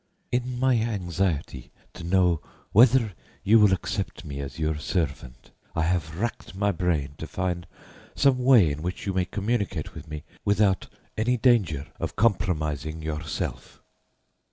"In my anxiety to know whether you will accept me as your servant, I have racked my brain to find some way in which you may communicate with me without any danger of compromising yourself.